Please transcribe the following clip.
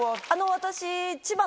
私。